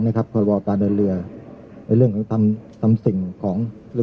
พรบการเดินเรือในเรื่องของทำสิ่งของหรือ